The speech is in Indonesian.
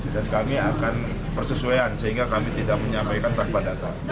kami akan persesuaian sehingga kami tidak menyampaikan tanpa data